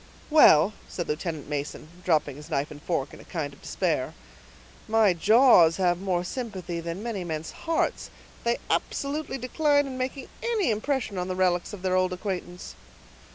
"Well," said Lieutenant Mason, dropping his knife and fork in a kind of despair, "my jaws have more sympathy than many men's hearts. They absolutely decline making any impression on the relics of their old acquaintance."